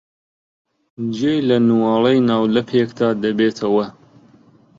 جێی لە نواڵەی ناولەپێکدا دەبێتەوە.